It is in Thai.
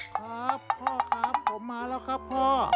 ครับพ่อครับผมมาแล้วครับพ่อ